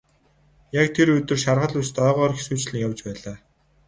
Яг тэр өдөр шаргал үст ойгоор хэсүүчлэн явж байлаа.